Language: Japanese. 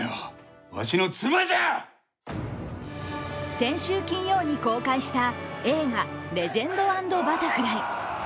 先週金曜に公開した映画「レジェンド＆バタフライ」。